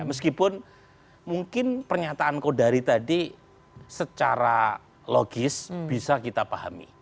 meskipun mungkin pernyataan kodari tadi secara logis bisa kita pahami